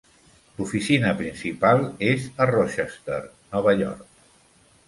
L'oficina principal és a Rochester, Nova York.